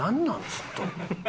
ずっと。